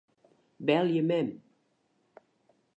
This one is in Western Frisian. Belje mem.